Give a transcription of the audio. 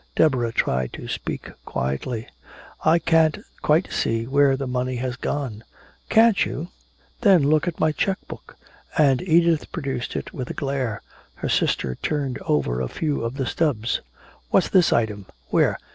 Deborah tried to speak quietly: "I can't quite see where the money has gone." "Can't you? Then look at my check book." And Edith produced it with a glare. Her sister turned over a few of the stubs. "What's this item?" "Where?"